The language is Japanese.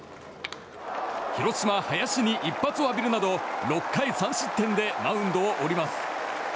広島、林に一発を浴びるなど６回３失点でマウンドを降ります。